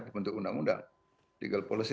dibentuk undang undang legal policy